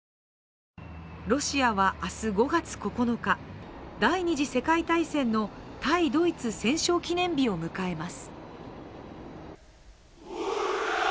ロシアは明日５月９日、第二次世界大戦の対ドイツ戦勝記念日を迎えます。